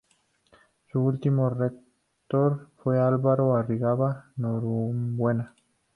Su último rector fue Álvaro Arriagada Norambuena.